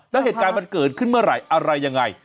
แล้วเหตุการณ์มันเกิดขึ้นเมื่อไหร่อะไรยังไง